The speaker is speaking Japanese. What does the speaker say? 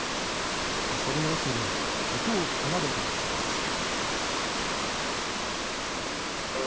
恐る恐る音を奏でたときでした